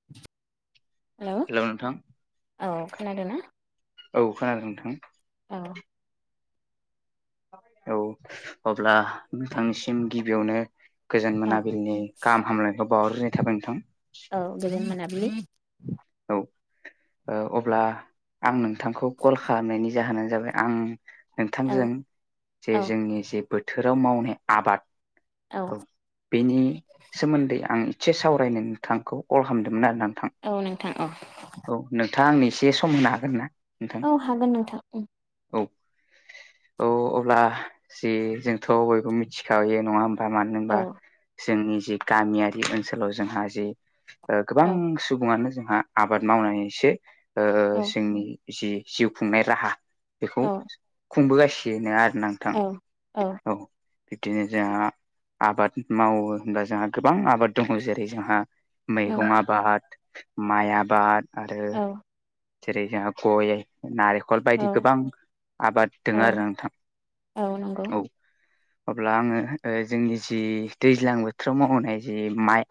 [inaudible] हेल' नोंथां औ खोनादोंना औ खोनादों नोंथां औ औ अब्ला नोंथांनिसिम गिबियावनो गोजोन औ मोनाबिलिनि गाहाम हामलायनायखौ बावरज्रोननाय थाबाय नोंथां गोजोन मोनाबिलि औ ओ अब्ला आं नोंथांखौ कल खालामनायनि जाहोनानो जाबाय आं औ नोंथांजों जे औ जोंनि जे बोथोराव मावनाय औ आबादखौ बेनि सोमोन्दै आं एसे सावरायनो नोंथांखौ कल खालामदोंमोन आरो नोंथां औ नोंथां अ औ नोंथाङा आंनो एसे सम होनो हागोन ना नोंथां औ हागोन नोंथां औ औ अब्ला जि जोंथ' बयबो मिथिखायो नङा होमब मानो होनबा जोंनि जि गामियारि ओनसोलाव जोंहा जि औ गोबां सुबुङानो जोंहा आबाद मावनानैसो ओ औ जोंनि जि जिउ खुंनाय राहा बेखौ औ खुंबोगासिनो आरोना आं औ औ बिब्दिनो जोंहा आबाद मावो होनबब्ला जोंहा गोबां आबाद दङ जेरै जोंहा मैगं आबाद माइ आबाद औ आरो जेरै जोंहा गय नारेंखल बायदि गोबां आबाद औ दङ आरो औ नोंथां औ [inaudible] अब्ला आङो जोंनि जि दैज्लां बोथोराव मावहनाय जि माइ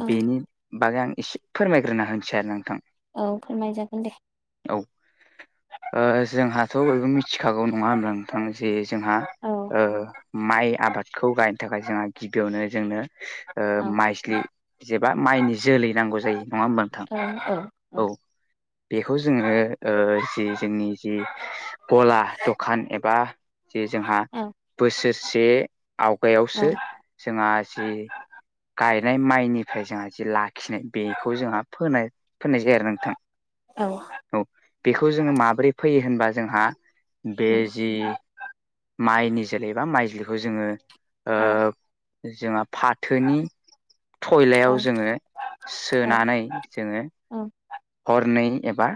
औ बेनि बागै आं एसे फोरमायग्रोना होनोसै आरो नोंथां औ फोरमाय जागोन दे औ जोंहाथ' बयबो मिथिखागौ नङा होनब्ला नोंथां जे जोंहा औ माइ आबादखौ गायनो थाखाय जोंहा गिबियावनो जोंनो औ माइस्लि जेबा माइनि जोलै नांगौ जायो नङा होमबा नोंथां औ औ औ बेखौ जोङो जि जोंनि जि गला दखान एबा जे जोंहा औ बोसोरसे आवगायावसो जोंहा जि गायनाय माइनिफ्राय जोंहा जे लाखिनाय बेखौ जोंहा फोनाय फोननाय जायो नोंथां औ औ बेखौ जोङो माब्रै फैयो होनबा जोंहा उम बेजि माइनि जोलैबा माइ जोलैखौ जोङो ओ औ जोंहा फाथोनि औ थयलायाव जोङो औ सोनानै जोङो औ हरनै एबा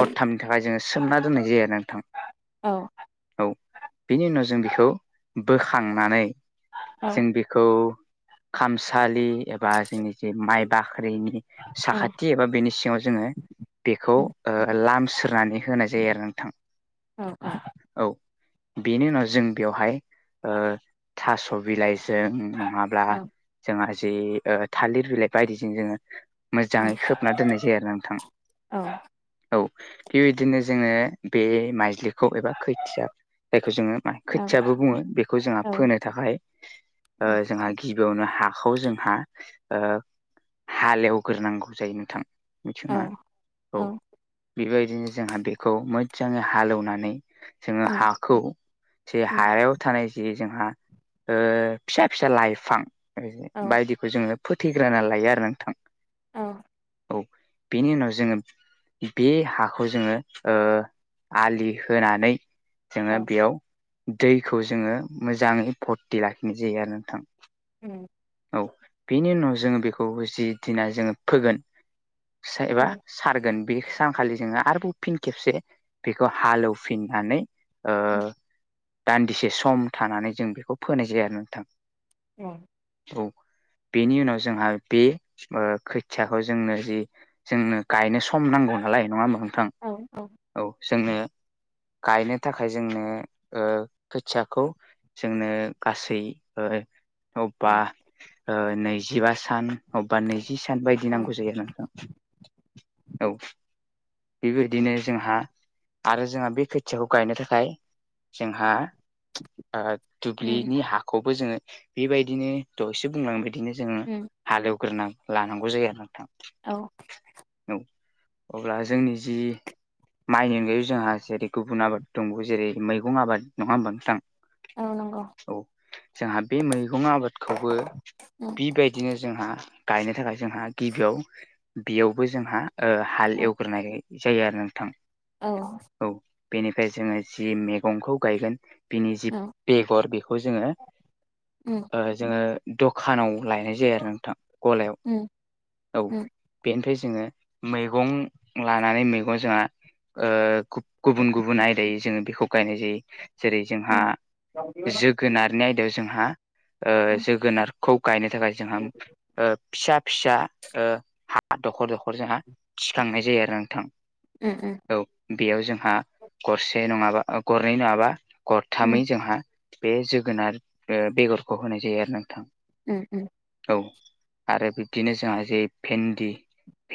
हरथामनि थाखाय जोङो सोमना दोननाय जायो आरो नोंथां औ उम औ औ बिनि उनाव जों बेखौ बोखांनानै औ जों औ साखाथि एबा बेनि जोंङो बेखौ लामस्रोनानै होनाय जायो आरो नोंथां औ औ बेनि उनाव जों बेवहाय थास' बिलाइ जों नंङाब्ला जोंहा जि थालिर बिलाइ बायदिजों जोंङो मोजांङै खोबना दोननाय जायो आरो नोंथां औ बेबायदिनो जोंङो बे माइज्लिखौ एबा खैथिया जायखौ जोंङों मा खोथियाबो बुंङो बेखौ जोंहा फोनो थाखाय जोंहा गिबियावनो हाखौ जोंहा हालेवग्रोनांगौ जायो नोंथां मिथिगौना औ बेबायदिनो जोंहा बेखौ मोजांङै हालेवनानै जोंङो उम हाखौ जे उम हायाव थानाय जे जोंहा फिसा फिसा लाइफां औ बायदिखौ जोंङो फोथैग्रोना लायो आरो नोंथां औ औ बेनि उनाव जोंङो बे हाखौ जोंङो ओ आलि होनानै जोंङो बेयाव दैखौ जोङो मोजाङै भति लाखिनाय जायो आरो नोंथां उम औ बेनि उनाव जोंङों बेखौ जि दिना जोंङो फोगोन एबा सारगोन बे सानखालि जोंङो आरोबाव फिन खेबसे बेखौ हालेवफिननानै दान्दिसे सम थानानै जों बेखौ फोनाय जायो आरो नोंथां औ औ बेनि उनाव जोंहा बे खोथियाखौ जोंनो जि जोंनो गायनो सम नांगौ नालाय नंङा होमबा नोंथां औ जोंनो गायनो थाखाय जोंनो खोथियाखौ जोंनो गासै अबेबा नैजिबा सान अबेबा नैजि सान बायदि नांगौ जायो नोंथां औ बेबायदिनो जोंहा आरो जोंहा बे खोथियाखौ गायनो थाखाय जोंहा दुब्लिनि हाखौबो जोंङो बेबायदिनो दहैसो बुंलांबायदिनो जोंङो हालेवग्रोना लानांगौ जायो आरो नोंथां औ औ अब्ला जोंनि जि माइनि अनगायै जोंहा जेरै गुबुन आबाद दंबावो जेरै मैगं आबाद नङा होमबा नोंथां औ नंगौ। औ जोंहा बे मैगं आबादखौबो औ। बेबायदिनो जोंहा गायनो थाखाय जोंहा गिबियाव बेयावबो जोंहा हाल एवग्रोनाय जायो आरो नोंथां। औ। औ बेनिफ्राय जोंङों जि मैगंखौ गायगोन बिनि जि बेगर बेखौ जोंङो लायनाय जायो आरो नोंथां गलायाव औ बेनिफ्राय जोंङो मैगं लानानै मैगं जोंहा गुबुन गुबुन आयदायै जोंङो बेखौ गायनाय जायो जेरै जोंहा जुग जोगोनारनि आयदायाव जोंहा जोगोनार खौ गायनो थाखाय जोंहा फिसा फिसा दखर दखर जोंहा थिख्रांनाय जायो आरो नोंथां औ बेयाव जोंहा गरसे नंङाबा गरनै नङाबा गरथामै जोंहा बे जोगोनार ओ बेगरखौ होनाय जायो आरो ना नोंथां। उम उम। औ आरो बिब्दिनो जोंहा जे भेन्दि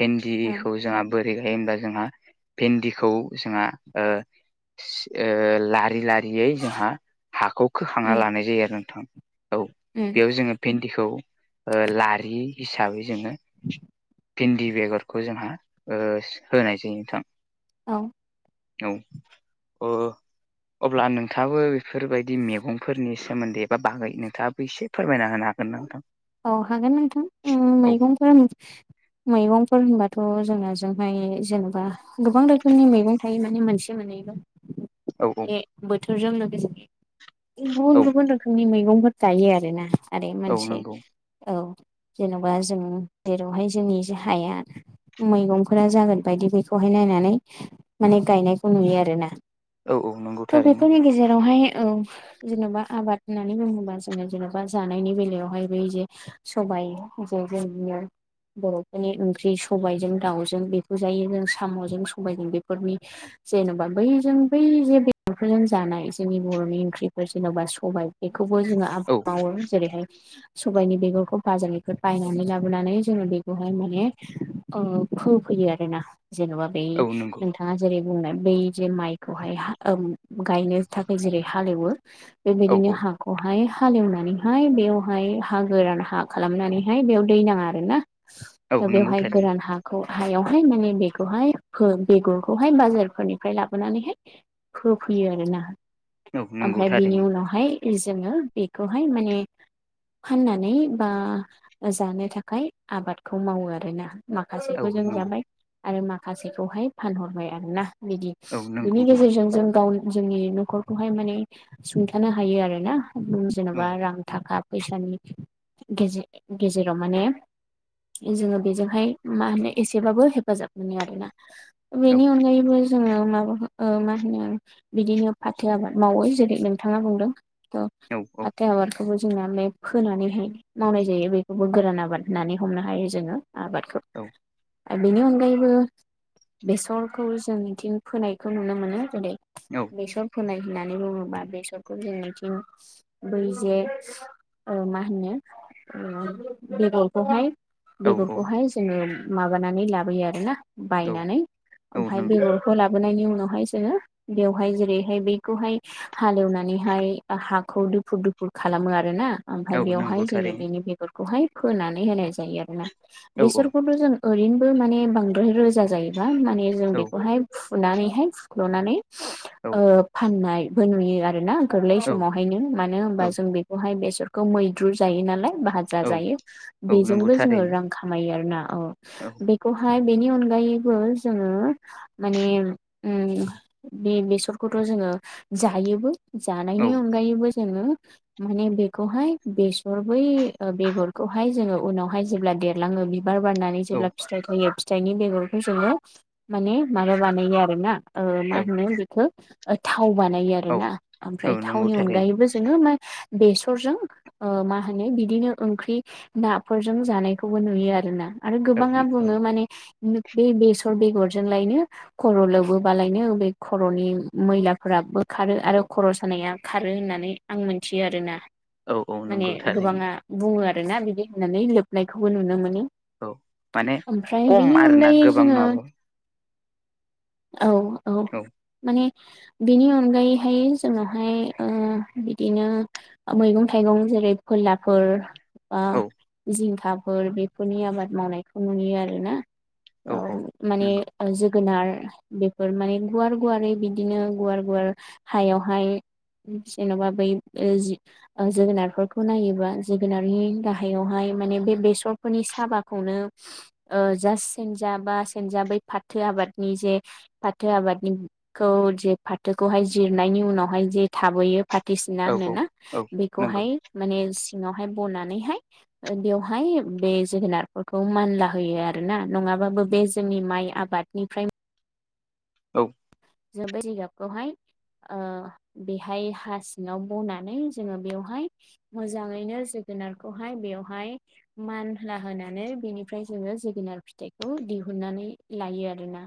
भेन्दिखौ जोंहा बोरै गायो होमब्ला जोंहा भिन्दिखौ जोंहा ओ ओ लारि लारि यै जोंहा हाखौ खोखांना लानाय जायो आरोना नोंथां औ बेयाव जोङो। भिन्दिखौ लारि हिसाबै जोङो भिन्दि बेगरखौ जोंहा ओ होनाय जायो नोंथां औ औ अ अब्ला नोंथाङाबो बेफोरबायदि मैगंफोरनि सोमोन्दै एबा बागै नोंथाङाबो एसे फोरमायना होनो हागोन ना नोंथां। औ हागोन नोंथां उम औ मैगंफोरा मैगंफोर होनबाथ' जोंना जोंहाय जेनेबा गोबां रोखोमनि मैगं थायो माने मोनसे मोनैल' औ औ बोथोरजों लोगोसे गुबुन औ गुबुन रोखोमनि मैगंफोर गायो आरोना आरो औ मोनसे नंगौ औ जेन'बा जों जेरावहाय जोंनि हाया मैगंफोरा जागोन बायदि बेखौहाय नायनानै माने गायनायखौ नुयो आरोना औ औ नंगौ थ' थारैनो बेफोरनि गेजेरावहाय औ जेन'बा आबाद होननानै बुङोबा जोङो जेन'बा जानायनि बेलायावहाय जे सबाइ जोंजे नुयो बर'फोरनि ओंख्रि सबाइजों दाउजों बेखौ जायो जों साम'जों सबाइजों बेफोरनि जेन'बा बैजों बै जे बेदरफोरजों जानाय जोंनि बर'नि ओंख्रिफोर जेन'बा सबाइ बेखौबो जोङो औ आबाद मावो जेरैहाय सबायाइनि बेगरखौ बाजारनिफ्राय बायनानै लाबोनानै जोङो बेखौहाय माने फोफैयो आरोना जेन'बा बै औ नंगौ नोंथां। नोंथाङा जेरै बुंनाय बै जे माइखौहाय गायनो थाखाय जेरै हालेवो औ बेबायदिनो औ हाखौहाय हालेवनानैहाय बेयावहाय हा गोरान हा खालामनानैहाय बेयाव दै नाङा आरोना औ नंगौ बेवहाय गोरान थारैनो हा हायावहाय माने बेखौहाय बेगरखौहाय बाजारफोरनिफ्राय लाबोनानैहाय फोफैयो आरोना औ नंगौ ओमफ्राय बिनि थारैनो उनावहाय जोङो बेखौहाय मानेछ फाननानै बा जानो थाखाय आबादखौ मावो आरोना। औ माखासेखौ जों नंगौ जाबाय आरो माखासेखौहाय फानहरबाय आरोना। बिदि औ नंगौ बिनि नंगौ गेजेरजों जों गावनि जोंनि नख'रखौहाय माने सुंथानो हायो आरोना औ जेन'बा रां थाखा फैसानि गेजे गेजेराव माने जोङो बेजोंहाय मा होनो एसेबाबो हेफाजाब मोनो आरोना औ बेनि अनगायैबो जोङो मा ओ मा होनो बिदिनो फाथो आबाद मावो जेरै नोंथाङा बुंदों। अ औ औ फाथो आबादखौबो जोंना मे फोनानैहाय मावनाय जायो बेखौबो गोरान आबाद होननानै हमनो हायो जोङो आबाद औ। आरो बेनि अनगायैबो बेसरखौ जों बिथिं फोनायखौ नुनो मोनो जेरै औ बेसर फोनाय होननानै बुङोबा बेसरखौ जोंनिथिं बैजे मा होनो बेगरखौहाय औ बेगरखौहाय जोङो माबानानै लाबोयो आरोना औ बायनानै औ ओमफ्राय नंगौ बेगर खौ लाबोनायनि उनावहाय जोङो बेवहाय जेरैहाय बैखौहाय हालेवनानैहाय हाखौ दुफुर दुफुर खालामो आरोना। ओमफ्राय औ नंगौ बेवहाय जोङो थारैनो बेनि बेगरखौ खौहाय फोनानै होनाय जायो आरोना औ औ बेसरखौथ' जों ओरैनोबो माने बांद्राय रोजा जाजायोबा माने जों औ बेखौहाय फुनानैहाय फुख्ल'नानै ओ फाननायबो नुयो आरोना गोरलै औ समावहायनो मानो औ होनबा जों बेखौहाय बेसर खौ मैद्रु जायो नालाय बा औ जाजायो औ नंगौ बेजोंबो जोङो थारैनो रां खामायो आरोना औ बे खौहाय बेनि अनगायैबो जोङो माने उम्म बे बेसरखौथ' जोङो जायोबो। औ जानायनि अनगायैबो जोङो माने बे खौहाय बेसर बै बेगरखौहाय जोङो उनावहाय जेब्ला देरलाङो बिबार बारनानै औ जेब्ला फिथाइ थायो फिथाइनि बेगरखौ जोङो माने माबा बानायो आरोना ओ मा होनो बेखो थाव बानायो औ आरोना औ ओमफ्राय नंगौ थावनि थारैनो अनगायैबो जोङो मा बेस सरजों मा होनो बिदिनो ओंख्रि नाफोरजों जानायखौबो नुयो आरो ना। आरो औ गोबाङा बुङो माने बे बेसर बेगरजोंलायनो खर' लोबोबालायनो बे खर'नि मैलाफोराबो खारो आरो खर' सानाया खारो होननानै आं मिथियो आरोना। औ माने नंगौ थारैनो गोबाङा बुङो आरोना बिदि होननानै लोबनायखौबो नुनो मोनो। औ माने ओमफ्राय खम बेनि आरोना अनगायै गोबां जोङो नङाबो औ औ माने बिनि अनगायैहाय जोंनावहाय ओ बिदिनो मैगं थाइगं जेरै फोरलाफोर ओ औ जिंखा फोर बेफोरनि आबाद मावनायखौ नुयो आरोना। औ माने जोगोनार बेफोर माने गुवार गुवारै बिदिनो गुवार गुवार हायावहाय जेन'बा बै जि जोगोनारफोरखौ नायोबा जोगोनारनि गाहायावहाय माने बे बेसर फोरनि साबाखौनो जा सेनजा बा सेनजा बै फाथो आबादनि जे फाथो आबादनिखौ जे फाथोखौहाय जिरनायनि उनावहाय जे थाबोयो फाथोसिना औ औ होनोना औ नंगौ बेखौहाय माने सिङावहाय बनानैहाय बेवहाय बे जोगोनारफोरखौ मानला होयो आरोना नङाबाबो बे जोंनि माइ आब बादनिफ्राय औ। जों बे जिगाबखौहाय ओ बेहाय हा सिङाव बनानै जोङो बेवहाय मोजाङैनो जोगोनारखौहाय बेवहाय मानला होनानै बेनिफ्राय जोङो जोगोनार फिथाइखौ दिहुननानै लायो आरोना।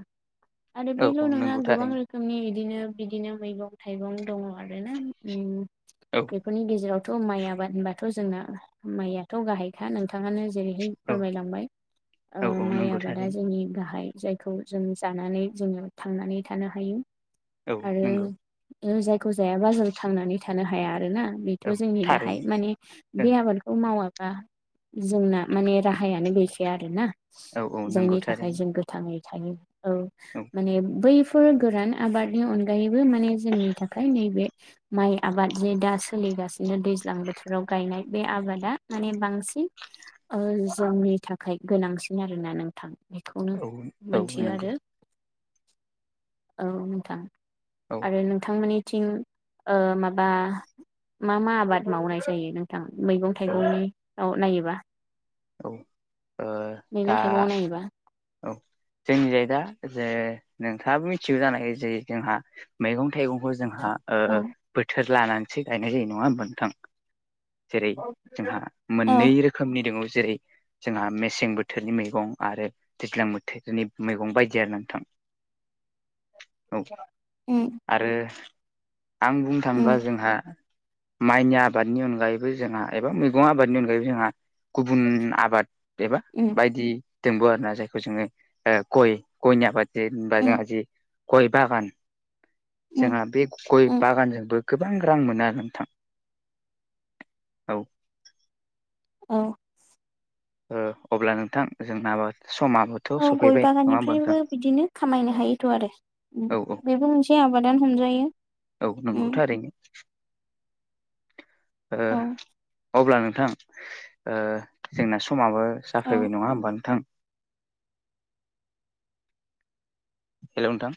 आरो औ बेल' औ नङा नंगौ गोबां थारैनो रोखोमनि बिदिनो बिदिनो मैगं थाइगं दङ आरोना औ बेफोरनि गेजेराव थ' माइ आबाद होनबाथ' जोंना माइयाथ' गाहाइखा नोंथाङानो जेरै औ फोरमायलांबाय औ औ माइ नंगौ आबादा थारैनो जोंनि गाहाइ जायखौ जों जानानै जोङो थांनानै थानो हायो औ आरो नंगौ जायखौ जायाबा जों थांनानै थानो हाया आरोना बेथ' औ जोंनि गाहाइ थारैनो माने औ बे आबादखौ मावाब्ला जोंना माने राहायानो गैखाया आरोना। औ औ नंगौ जायनि थाखाय थारैनो जों गोथाङै थायो औ औ माने बै फोर गोरान आबादनि अनगायैबो माने जोंनि थाखाय नैबे माइ आबाद जे दा सोलिगासिनो दैज्लां बोथोराव गायनाय बे आबादा माने बांसिन ओ जोंनि थाखाय गोनांसिन आरोना नोंथां बेखौनो औ औ मोनथियो नंगौ आरो। औ नोंथां औ आरो नोंथांमोननिथिं ओ माबा मा मा आबाद मावनाय जायो नोंथां मैगं औ थाइगंनि औ नायोबा। औ ओ मैगं दा थाइगंआव नायोबा औ जोंनिजाय दा जे नोंथाङाबो मिथिगौ जानाय जे जोंहा मैगं थाइगंखौ जोंहा ओ औ बोथोर लानानैसो गायनाय जायो नङा ओमबा नोंथां। जेरै जोंहा औ मोननै रोखोमनि दोङ जेरै जोंहा मेसें बोथोरनि मैगं आरो दैज्लां बोथोरनि मैगं बायदि आरोना नोंथां। औ उम आरो आं बुं उम थांबा जों माइनि आबादनि अनगायैबो जोंहा एबा मैगं आबादनि अनगायैबो जोंहा गुबुन आबाद एबा उम बायदि दोंब आरोना जायखौ जोङो ओ गय गयनि आबाद जेन ओमबा उम जोंआ जि गय बागान उम जोंहा बे गय उम बागानजोंबो गोबां रां मोनो आरो नोंथां। औ औ। ओ अब्ला नोंथां जोंनाबो समआबो औ गय बागाननिफ्रायबो बिदिनो खामायनो हायोथ' आरो। उम औ औ बेबो मोनसे आबादानो हमजायो। औ उम नंगौथार। दै ओ औ अब्ला नोंथां ओ जोंना समाबो औ जाफैबाय नङा ओमबा नोंथां। हेल' नोंथां?